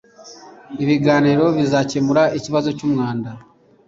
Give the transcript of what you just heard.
Ibiganiro bizakemura ikibazo cyumwanda